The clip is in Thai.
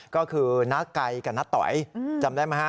ก็คือน้าไก่กับน้าต๋อยจำได้ไหมฮะ